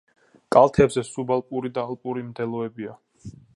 კალთებზე სუბალპური და ალპური მდელოებია.